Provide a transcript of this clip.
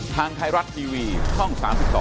ทางไทยรัฐทีวีช่อง๓๒